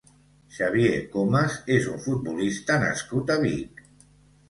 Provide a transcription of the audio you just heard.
Xavier Comas és un futbolista nascut a Vic.